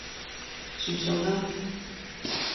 算數啦